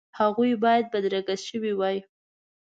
هغوی باید بدرګه شوي وای.